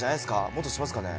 もっとしますかね？